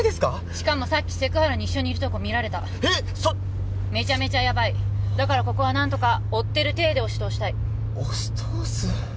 しかもさっきセク原に一緒にいるとこ見られたえっ？そめちゃめちゃヤバいだからここは何とか追ってる体で押し通したい押し通す？